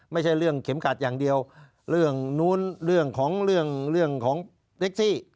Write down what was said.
ไม่ใช่เรื่องเข็มขัดอย่างเดียวเรื่องนู้นเรื่องของเรื่องของแท็กซี่